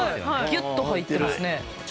ギュッと入ってますね。